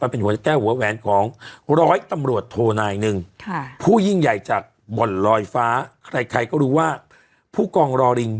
เป็นหัวแก้วหัวแหวนของ